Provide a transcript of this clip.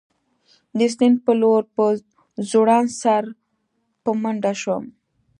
د سیند په لور په ځوړند سر په منډه شوم.